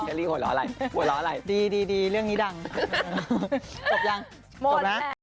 ไม่ผิดเนื้อไม่ผิดแต่ถ้าง้องผิดหมดเลย